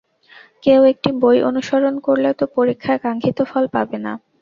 কেউ একটি বই অনুসরণ করলে তো পরীক্ষায় কাঙ্ক্ষিত ফল পাবে না।